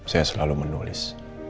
saya selalu menulis